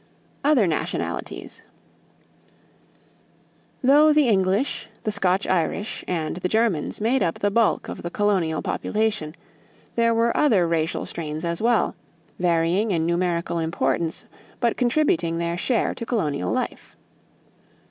=Other Nationalities.= Though the English, the Scotch Irish, and the Germans made up the bulk of the colonial population, there were other racial strains as well, varying in numerical importance but contributing their share to colonial life.